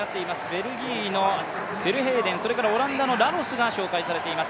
ベルギーのベルヘイデンオランダのラロスが紹介されています。